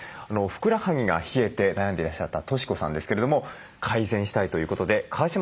ふくらはぎが冷えて悩んでいらっしゃった俊子さんですけれども改善したいということで川嶋さんのクリニックを訪れました。